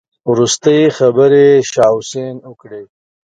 وروستۍ خبرې شاه حسين وکړې.